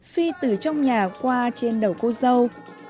phi từ trong nhà qua trên đầu cô dâu